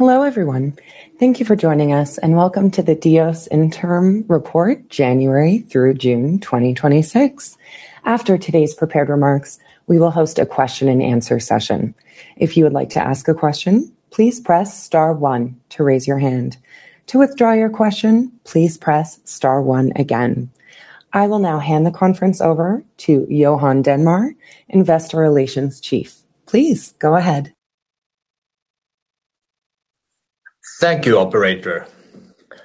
Hello, everyone. Thank you for joining us, and welcome to the Diös Interim Report January through June 2026. After today's prepared remarks, we will host a question and answer session. If you would like to ask a question, please press star one to raise your hand. To withdraw your question, please press star one again. I will now hand the conference over to Johan Dernmar, Investor Relations Chief. Please go ahead. Thank you, operator.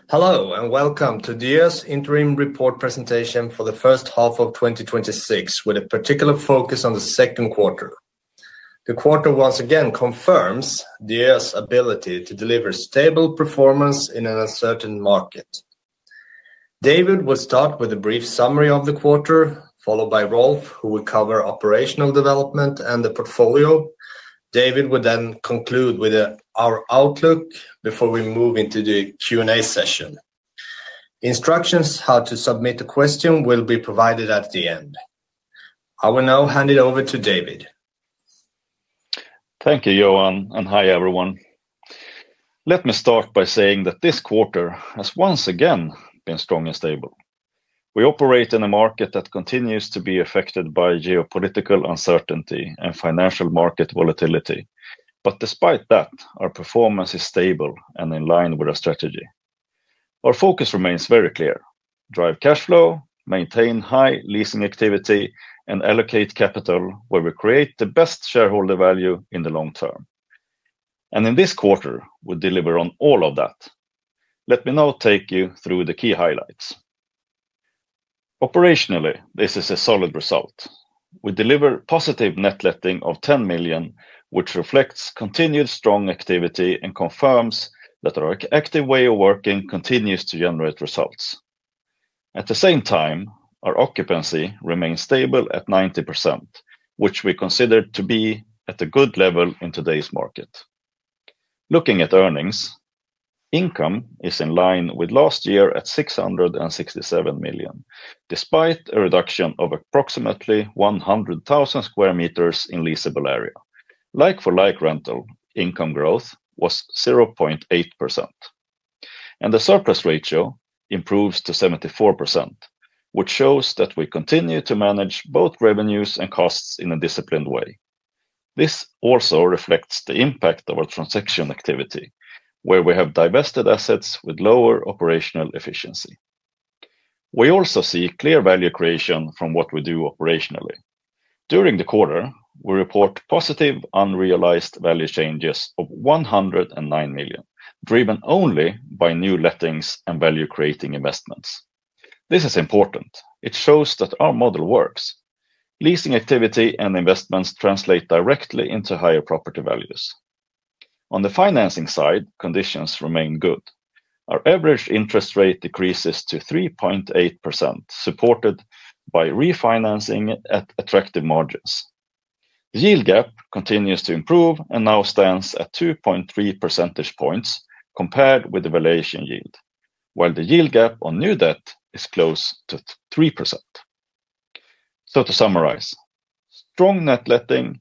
Hello. Welcome to Diös Interim Report presentation for the first half of 2026, with a particular focus on the second quarter. The quarter once again confirms Diös' ability to deliver stable performance in an uncertain market. David will start with a brief summary of the quarter, followed by Rolf, who will cover operational development and the portfolio. David will conclude with our outlook before we move into the Q&A session. Instructions on how to submit a question will be provided at the end. I will now hand it over to David. Thank you, Johan. Hi everyone. Let me start by saying that this quarter has once again been strong and stable. We operate in a market that continues to be affected by geopolitical uncertainty and financial market volatility. Despite that, our performance is stable and in line with our strategy. Our focus remains very clear: drive cash flow, maintain high leasing activity, and allocate capital where we create the best shareholder value in the long term. In this quarter, we deliver on all of that. Let me now take you through the key highlights. Operationally, this is a solid result. We deliver positive net letting of 10 million, which reflects continued strong activity and confirms that our active way of working continues to generate results. At the same time, our occupancy remains stable at 90%, which we consider to be at a good level in today's market. Looking at earnings, income is in line with last year at 667 million, despite a reduction of approximately 100,000 sq m in leasable area. Like-for-like rental income growth was 0.8%. The surplus ratio improves to 74%, which shows that we continue to manage both revenues and costs in a disciplined way. This also reflects the impact of our transaction activity, where we have divested assets with lower operational efficiency. We also see clear value creation from what we do operationally. During the quarter, we report positive unrealized value changes of 109 million, driven only by new lettings and value-creating investments. This is important. It shows that our model works. Leasing activity and investments translate directly into higher property values. On the financing side, conditions remain good. Our average interest rate decreases to 3.8%, supported by refinancing at attractive margins. The yield gap continues to improve and now stands at 2.3 percentage points compared with the valuation yield, while the yield gap on new debt is close to 3%. To summarize, strong net letting,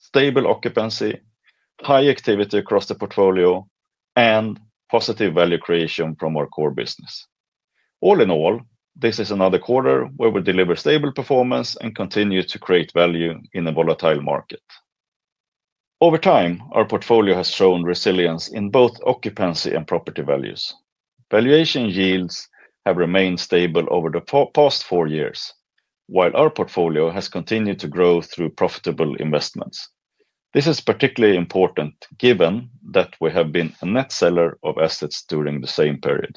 stable occupancy, high activity across the portfolio, and positive value creation from our core business. All in all, this is another quarter where we deliver stable performance and continue to create value in a volatile market. Over time, our portfolio has shown resilience in both occupancy and property values. Valuation yields have remained stable over the past four years, while our portfolio has continued to grow through profitable investments. This is particularly important given that we have been a net seller of assets during the same period.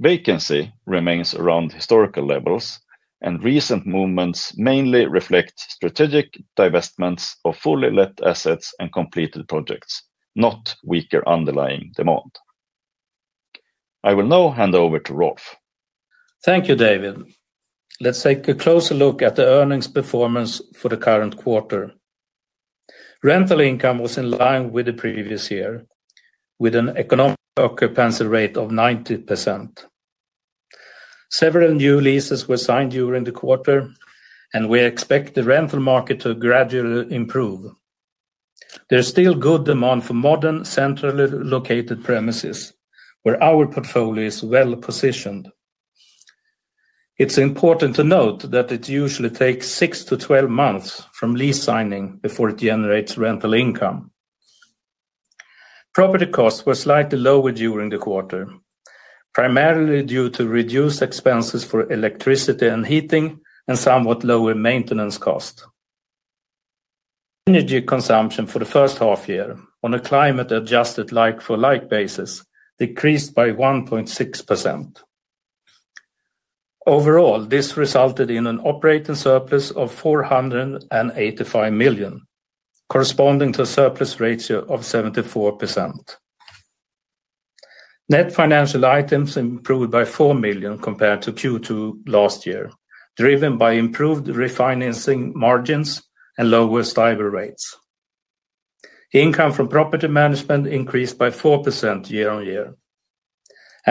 Vacancy remains around historical levels, and recent movements mainly reflect strategic divestments of fully let assets and completed projects, not weaker underlying demand. I will now hand over to Rolf. Thank you, David. Let's take a closer look at the earnings performance for the current quarter. Rental income was in line with the previous year, with an economic occupancy rate of 90%. Several new leases were signed during the quarter, and we expect the rental market to gradually improve. There's still good demand for modern, centrally located premises, where our portfolio is well-positioned. It's important to note that it usually takes six to 12 months from lease signing before it generates rental income. Property costs were slightly lower during the quarter, primarily due to reduced expenses for electricity and heating and somewhat lower maintenance cost. Energy consumption for the first half-year on a climate-adjusted, like-for-like basis decreased by 1.6%. Overall, this resulted in an operating surplus of 485 million, corresponding to a surplus ratio of 74%. Net financial items improved by 4 million compared to Q2 last year, driven by improved refinancing margins and lower STIBOR rates. Income from property management increased by 4% year-on-year.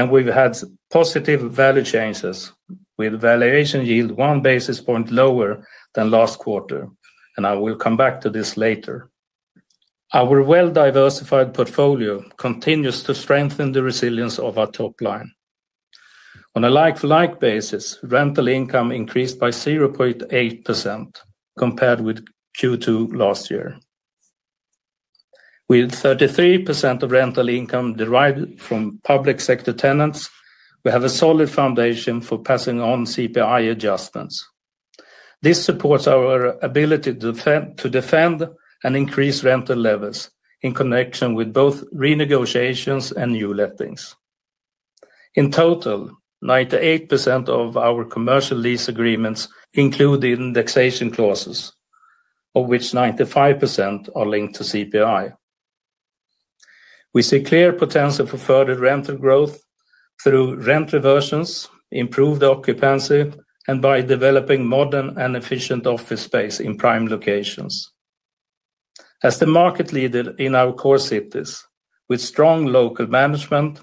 We've had positive value changes with valuation yield one basis point lower than last quarter, and I will come back to this later. Our well-diversified portfolio continues to strengthen the resilience of our top line. On a like-to-like basis, rental income increased by 0.8% compared with Q2 last year. With 33% of rental income derived from public sector tenants, we have a solid foundation for passing on CPI adjustments. This supports our ability to defend and increase rental levels in connection with both renegotiations and new lettings. In total, 98% of our commercial lease agreements include indexation clauses, of which 95% are linked to CPI. We see clear potential for further rental growth through rent reversions, improved occupancy, and by developing modern and efficient office space in prime locations. As the market leader in our core cities with strong local management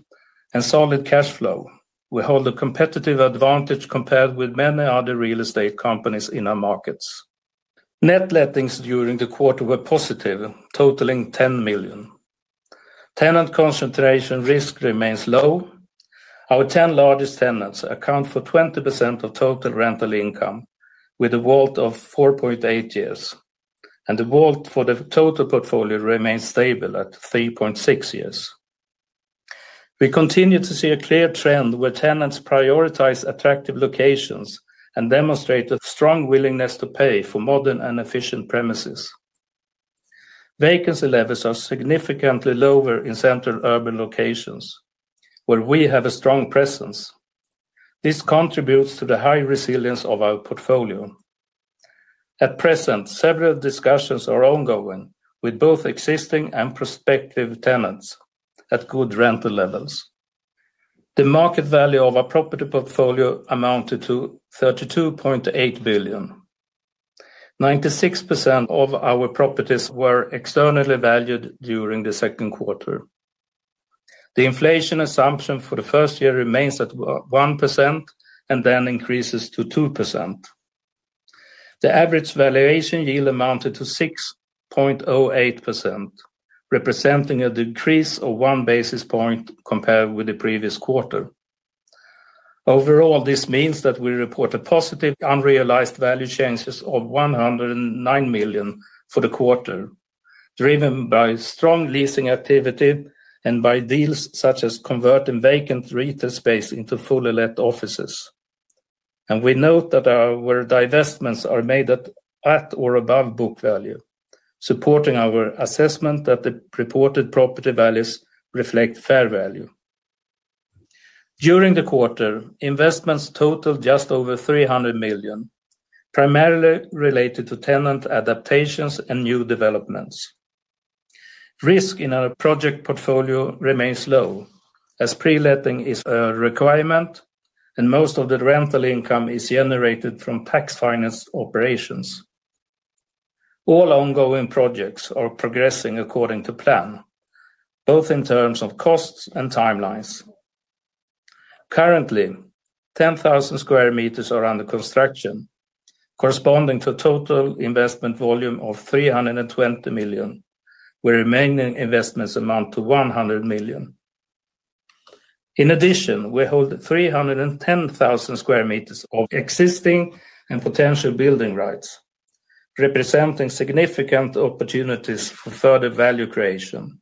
and solid cash flow, we hold a competitive advantage compared with many other real estate companies in our markets. Net lettings during the quarter were positive, totaling 10 million. Tenant concentration risk remains low. Our 10 largest tenants account for 20% of total rental income with a WALT of 4.8 years, and the WALT for the total portfolio remains stable at 3.6 years. We continue to see a clear trend where tenants prioritize attractive locations and demonstrate a strong willingness to pay for modern and efficient premises. Vacancy levels are significantly lower in central urban locations where we have a strong presence. This contributes to the high resilience of our portfolio. At present, several discussions are ongoing with both existing and prospective tenants at good rental levels. The market value of our property portfolio amounted to 32.8 billion. 96% of our properties were externally valued during the second quarter. The inflation assumption for the first year remains at 1% and then increases to 2%. The average valuation yield amounted to 6.08%, representing a decrease of one basis point compared with the previous quarter. Overall, this means that we report a positive unrealized value changes of 109 million for the quarter, driven by strong leasing activity and by deals such as converting vacant retail space into fully let offices. We note that our divestments are made at or above book value, supporting our assessment that the reported property values reflect fair value. During the quarter, investments totaled just over 300 million, primarily related to tenant adaptations and new developments. Risk in our project portfolio remains low as pre-letting is a requirement and most of the rental income is generated from tax-financed operations. All ongoing projects are progressing according to plan, both in terms of costs and timelines. Currently, 10,000 sq m are under construction, corresponding to total investment volume of 320 million, where remaining investments amount to 100 million. In addition, we hold 310,000 sq m of existing and potential building rights, representing significant opportunities for further value creation.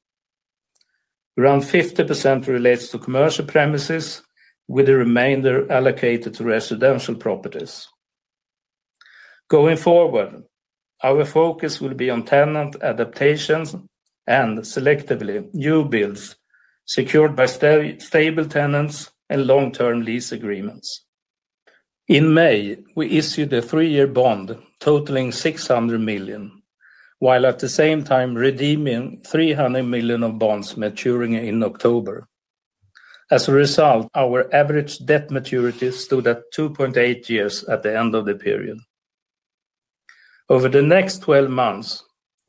Around 50% relates to commercial premises with the remainder allocated to residential properties. Going forward, our focus will be on tenant adaptations and selectively new builds secured by stable tenants and long-term lease agreements. In May, we issued a three-year bond totaling 600 million, while at the same time redeeming 300 million of bonds maturing in October. As a result, our average debt maturity stood at 2.8 years at the end of the period. Over the next 12 months,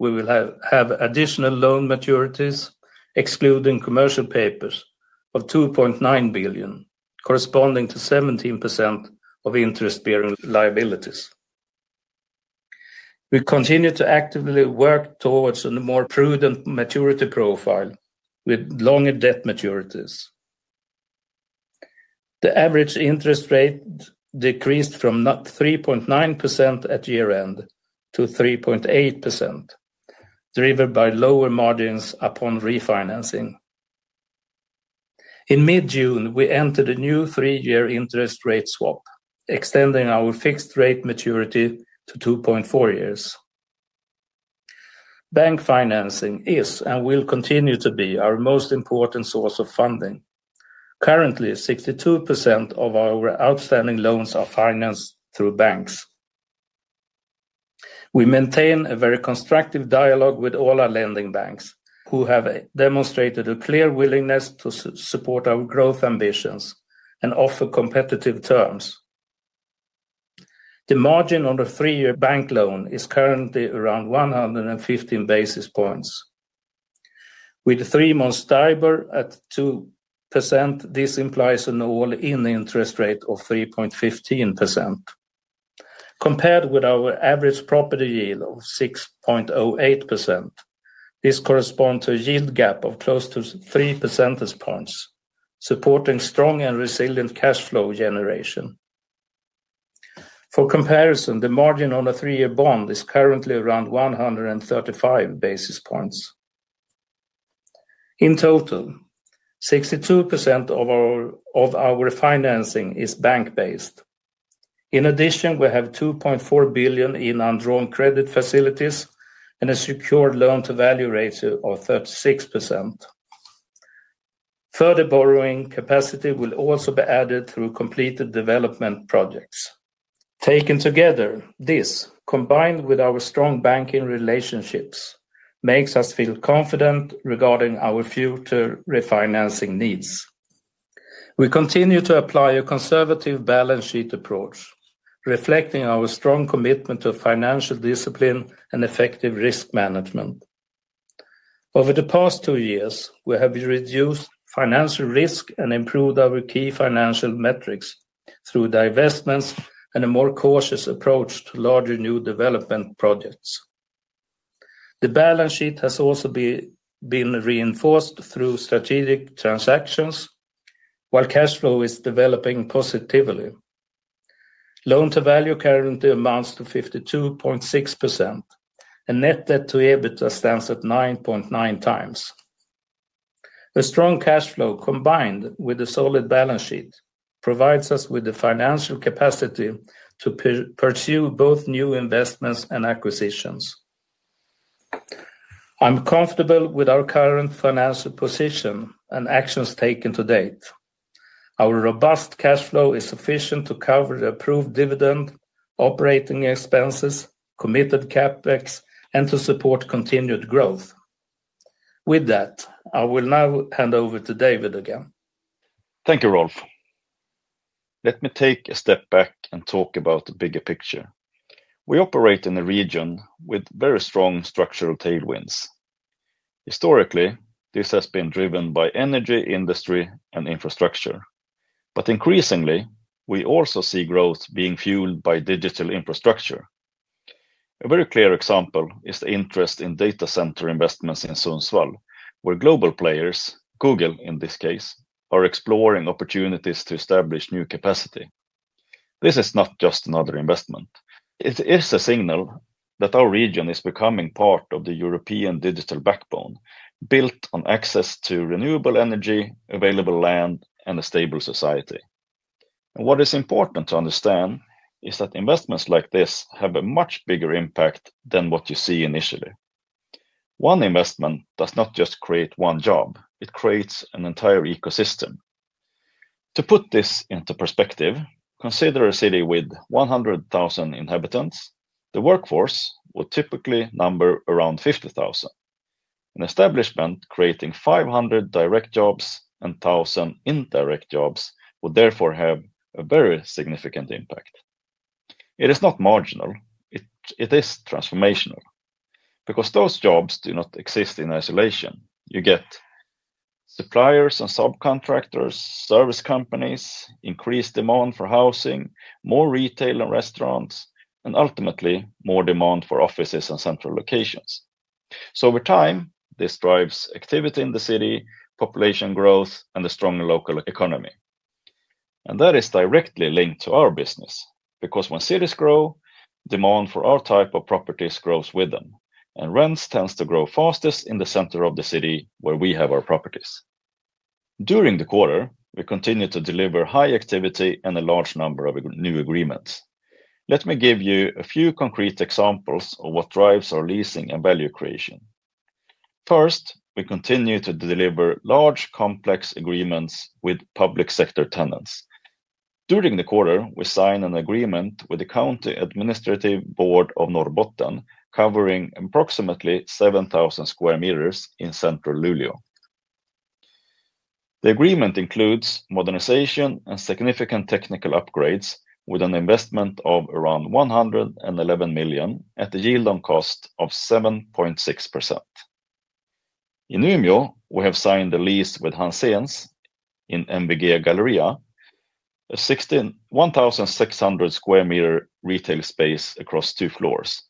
we will have additional loan maturities, excluding commercial papers of 2.9 billion, corresponding to 17% of interest-bearing liabilities. We continue to actively work towards a more prudent maturity profile with longer debt maturities. The average interest rate decreased from 3.9% at year-end to 3.8%, driven by lower margins upon refinancing. In mid-June, we entered a new three-year interest rate swap, extending our fixed-rate maturity to 2.4 years. Bank financing is and will continue to be our most important source of funding. Currently, 62% of our outstanding loans are financed through banks. We maintain a very constructive dialogue with all our lending banks who have demonstrated a clear willingness to support our growth ambitions and offer competitive terms. The margin on the three-year bank loan is currently around 115 basis points. With three-month STIBOR at 2%, this implies an all-in interest rate of 3.15%. Compared with our average property yield of 6.08%, this corresponds to a yield gap of close to 3 percentage points, supporting strong and resilient cash flow generation. For comparison, the margin on a three-year bond is currently around 135 basis points. In total, 62% of our financing is bank-based. In addition, we have 2.4 billion in undrawn credit facilities and a secure loan-to-value ratio of 36%. Further borrowing capacity will also be added through completed development projects. Taken together, this, combined with our strong banking relationships, makes us feel confident regarding our future refinancing needs. We continue to apply a conservative balance sheet approach, reflecting our strong commitment to financial discipline and effective risk management. Over the past two years, we have reduced financial risk and improved our key financial metrics through divestments and a more cautious approach to larger new development projects. The balance sheet has also been reinforced through strategic transactions while cash flow is developing positively. Loan-to-value currently amounts to 52.6%, and net debt to EBITDA stands at 9.9x. A strong cash flow combined with a solid balance sheet provides us with the financial capacity to pursue both new investments and acquisitions. I'm comfortable with our current financial position and actions taken to date. Our robust cash flow is sufficient to cover the approved dividend, operating expenses, committed CapEx, and to support continued growth. With that, I will now hand over to David again. Thank you, Rolf. Let me take a step back and talk about the bigger picture. We operate in a region with very strong structural tailwinds. Historically, this has been driven by energy industry and infrastructure. Increasingly, we also see growth being fueled by digital infrastructure. A very clear example is the interest in data center investments in Sundsvall, where global players, Google in this case, are exploring opportunities to establish new capacity. This is not just another investment. It is a signal that our region is becoming part of the European digital backbone, built on access to renewable energy, available land, and a stable society. What is important to understand is that investments like this have a much bigger impact than what you see initially. One investment does not just create one job, it creates an entire ecosystem. To put this into perspective, consider a city with 100,000 inhabitants. The workforce would typically number around 50,000. An establishment creating 500 direct jobs and 1,000 indirect jobs would therefore have a very significant impact. It is not marginal. It is transformational because those jobs do not exist in isolation. You get suppliers and subcontractors, service companies, increased demand for housing, more retail and restaurants, and ultimately, more demand for offices and central locations. Over time, this drives activity in the city, population growth, and a stronger local economy. That is directly linked to our business because when cities grow, demand for our type of properties grows with them, and rents tends to grow fastest in the center of the city where we have our properties. During the quarter, we continued to deliver high activity and a large number of new agreements. Let me give you a few concrete examples of what drives our leasing and value creation. First, we continue to deliver large, complex agreements with public sector tenants. During the quarter, we signed an agreement with the County Administrative Board of Norrbotten covering approximately 7,000 sq m in central Luleå. The agreement includes modernization and significant technical upgrades with an investment of around 111 million at the yield on cost of 7.6%. In Umeå, we have signed a lease with Hanzens in MVG Galleria, a 1,600 sq m retail space across two floors,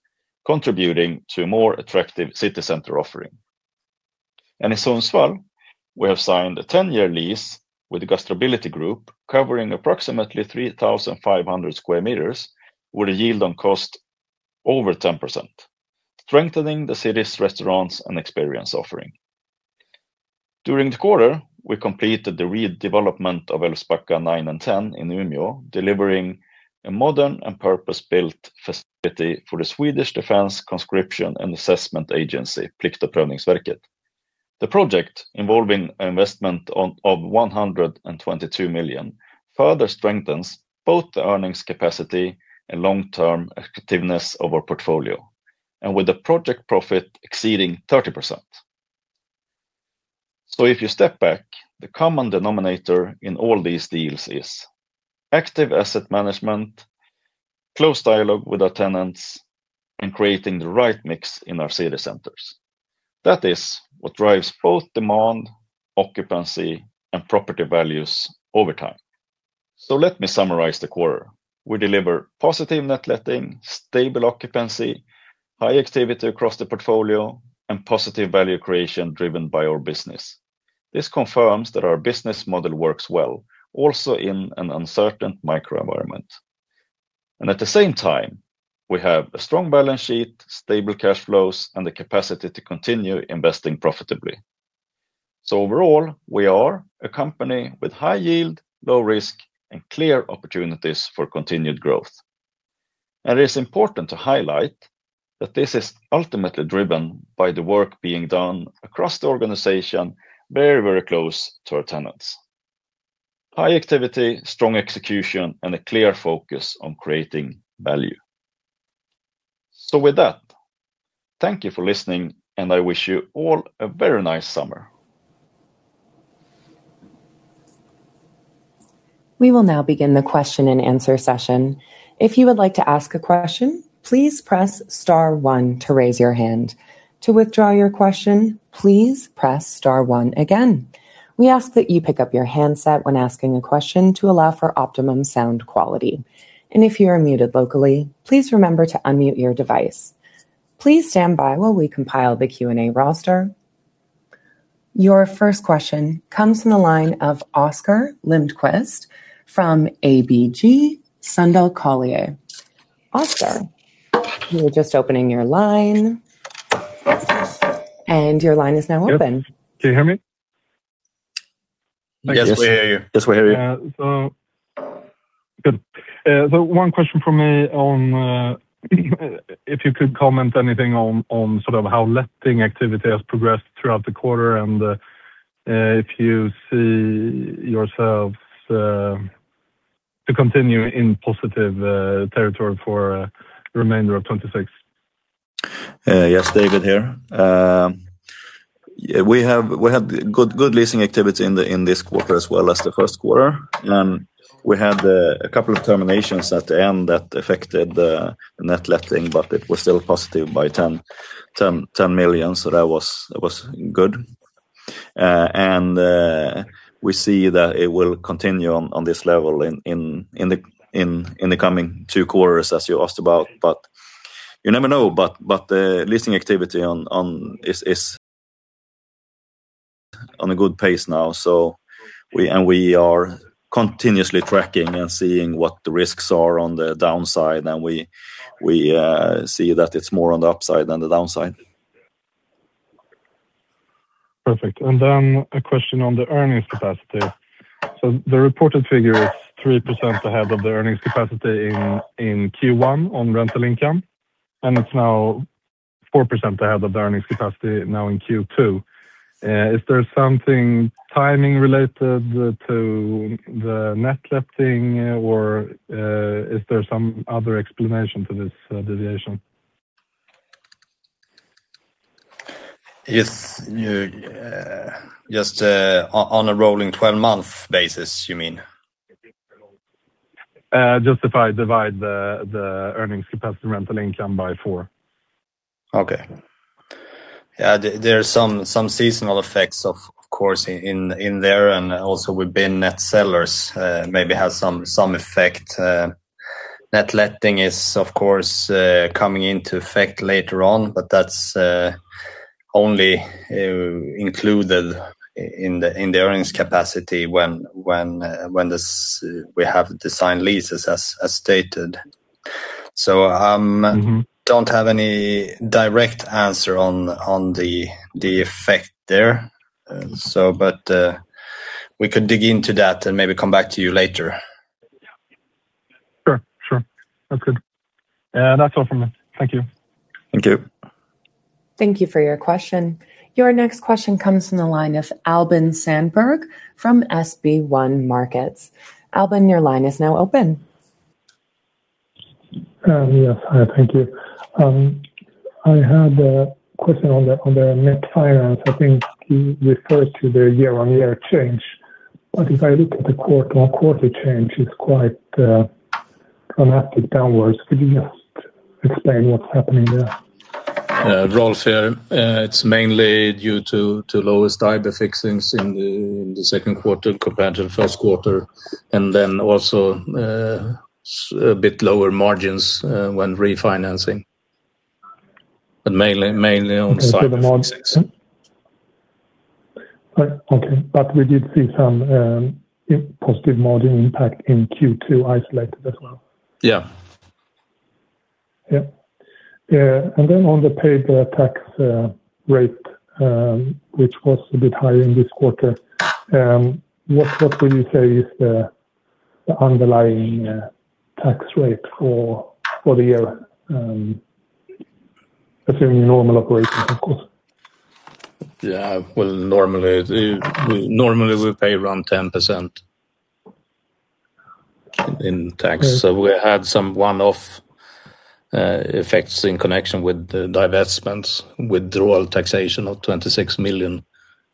contributing to a more attractive city center offering. In Sundsvall, we have signed a 10-year lease with the Gastrobility Group covering approximately 3,500 sq m with a yield on cost over 10%, strengthening the city's restaurants and experience offering. During the quarter, we completed the redevelopment of Älvsbacka nine and 10 in Umeå, delivering a modern and purpose-built facility for the Swedish Defence Conscription and Assessment Agency, Plikt- och prövningsverket. The project, involving investment of 122 million, further strengthens both the earnings capacity and long-term effectiveness of our portfolio. With the project profit exceeding 30%. If you step back, the common denominator in all these deals is active asset management, close dialogue with our tenants, and creating the right mix in our city centers. That is what drives both demand, occupancy, and property values over time. Let me summarize the quarter. We deliver positive net letting, stable occupancy, high activity across the portfolio, and positive value creation driven by our business. This confirms that our business model works well also in an uncertain microenvironment. At the same time, we have a strong balance sheet, stable cash flows, and the capacity to continue investing profitably. Overall, we are a company with high yield, low risk, and clear opportunities for continued growth. It is important to highlight that this is ultimately driven by the work being done across the organization, very close to our tenants. High activity, strong execution, and a clear focus on creating value. With that, thank you for listening, and I wish you all a very nice summer. We will now begin the question and answer session. If you would like to ask a question, please press star one to raise your hand. To withdraw your question, please press star one again. We ask that you pick up your handset when asking a question to allow for optimum sound quality. If you are muted locally, please remember to unmute your device. Please stand by while we compile the Q&A roster. Your first question comes from the line of Oscar Lindquist from ABG Sundal Collier. Oscar, we were just opening your line. Your line is now open. Yep. Can you hear me? Yes. Yes, we hear you. Good. One question from me on if you could comment anything on how letting activity has progressed throughout the quarter and if you see yourselves to continue in positive territory for remainder of 2026. Yes, David here. We had good leasing activity in this quarter as well as the first quarter. We had a couple of terminations at the end that affected the net letting, but it was still positive by 10 million. That was good. We see that it will continue on this level in the coming two quarters as you asked about. You never know, but the leasing activity is on a good pace now. We are continuously tracking and seeing what the risks are on the downside, and we see that it's more on the upside than the downside. Perfect. A question on the earnings capacity. The reported figure is 3% ahead of the earnings capacity in Q1 on rental income, and it's now 4% ahead of the earnings capacity now in Q2. Is there something timing related to the net letting, or is there some other explanation to this deviation? Just on a rolling 12-month basis, you mean? Just if I divide the earnings capacity rental income by four. Okay. There are some seasonal effects of course in there. We've been net sellers maybe has some effect. Net letting is of course coming into effect later on. That's only included in the earnings capacity when we have the signed leases as stated. Don't have any direct answer on the effect there. We could dig into that and maybe come back to you later. Yeah. Sure. That's good. That's all from me. Thank you. Thank you. Thank you for your question. Your next question comes from the line of Albin Sandberg from SB1 Markets. Albin, your line is now open. Yes. Hi, thank you. I had a question on the net finance. I think you referred to the year-on-year change. If I look at the quarter-on-quarter change, it's quite dramatic downwards. Could you just explain what's happening there? Rolf here. It's mainly due to lowest STIBOR fixings in the second quarter compared to the first quarter. Also a bit lower margins when refinancing. Mainly on side of fixings. Okay. We did see some positive margin impact in Q2 isolated as well. Yeah. Yep. On the paid tax rate, which was a bit high in this quarter, what would you say is the underlying tax rate for the year? Assuming normal operations, of course. Yeah. Well, normally we pay around 10%. In tax. We had some one-off effects in connection with the divestments, withdrawal taxation of 26 million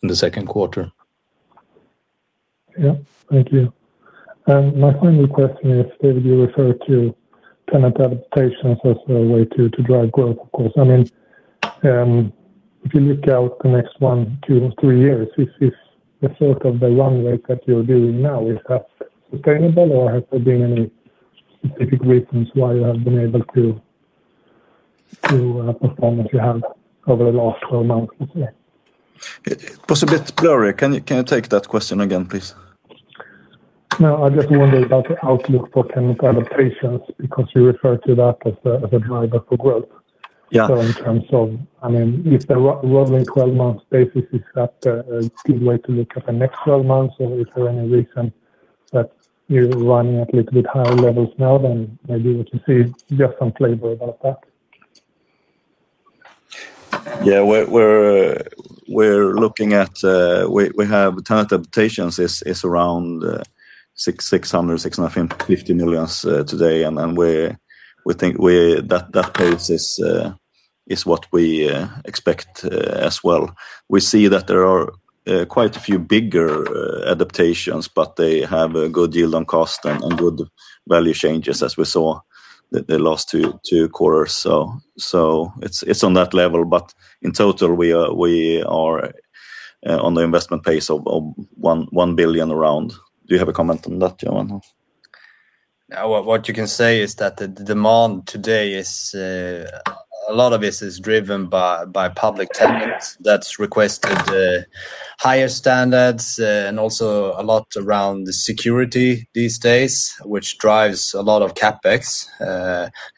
in the second quarter. Yeah. Thank you. My final question is, David, you referred to tenant adaptations as a way to drive growth, of course. If you look out the next one, two, and three years, is the sort of the run rate that you're doing now, is that sustainable or has there been any specific reasons why you have been able to perform as you have over the last 12 months, let's say? It was a bit blurry. Can you take that question again, please? No, I'm just wondering about the outlook for tenant adaptations because you referred to that as a driver for growth. Yeah. In terms of, if the rolling 12 months basis, is that a good way to look at the next 12 months? Is there any reason that you're running at little bit higher levels now than maybe we can see just some flavor about that? Yeah. We have tenant adaptations is around 600 million-650 million today. We think that pace is what we expect as well. We see that there are quite a few bigger adaptations, but they have a good yield on cost and good value changes as we saw the last two quarters. It's on that level, but in total, we are on the investment pace of 1 billion around. Do you have a comment on that, Johan? What you can say is that the demand today is, a lot of it is driven by public tenants that's requested higher standards, and also a lot around the security these days, which drives a lot of CapEx.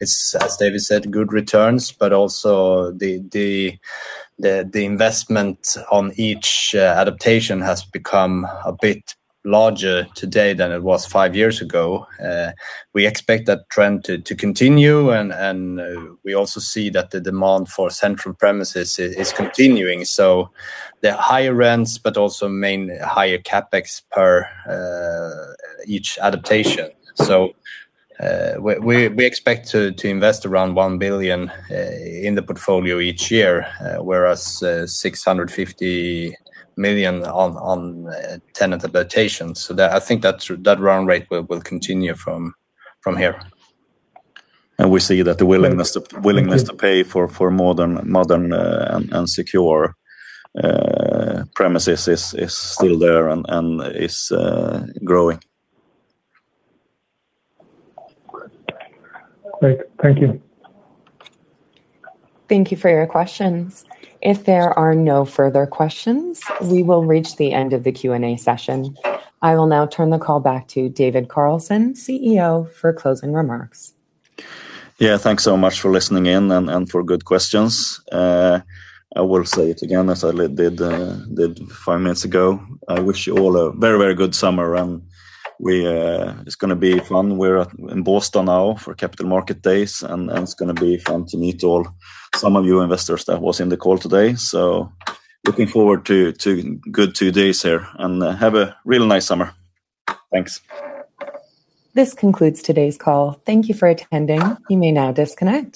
It's, as David said, good returns, but also the investment on each adaptation has become a bit larger today than it was five years ago. We expect that trend to continue, and we also see that the demand for central premises is continuing. There are higher rents, but also mainly higher CapEx per each adaptation. We expect to invest around 1 billion in the portfolio each year, whereas 650 million on tenant adaptations. I think that run rate will continue from here. We see that the willingness to pay for modern and secure premises is still there and is growing. Great. Thank you. Thank you for your questions. If there are no further questions, we will reach the end of the Q&A session. I will now turn the call back to David Carlsson, CEO, for closing remarks. Yeah. Thanks so much for listening in and for good questions. I will say it again, as I did five minutes ago. I wish you all a very good summer, and it is going to be fun. We are in Boston now for Capital Market Days, and it is going to be fun to meet some of you investors that was in the call today. Looking forward to good two days here, and have a real nice summer. Thanks. This concludes today's call. Thank you for attending. You may now disconnect.